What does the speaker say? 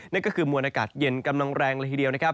นั่นคือมวลอากาศเย็นกำลังแรงละทีเดียว